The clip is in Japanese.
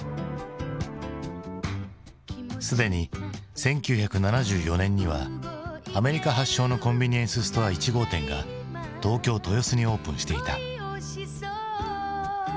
すでに１９７４年にはアメリカ発祥のコンビニエンスストア１号店が東京・豊洲にオープンしていた。